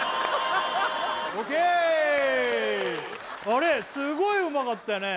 あれすごいうまかったよね